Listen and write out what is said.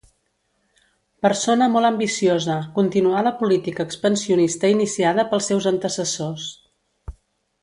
Persona molt ambiciosa, continuà la política expansionista iniciada pels seus antecessors.